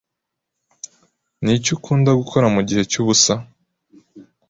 Niki ukunda gukora mugihe cyubusa?